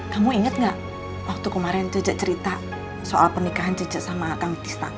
kamu inget nggak waktu kemarin ce ce cerita soal pernikahan ce ce sama kang tista